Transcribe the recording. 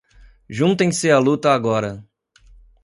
juntem-se a luta agora